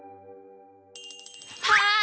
はい！